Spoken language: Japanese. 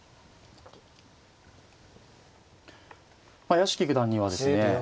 屋敷九段にはですね